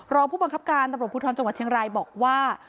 รองผู้บังคับการตำรวจภูทรจังหวัดเชียงรายบอกว่า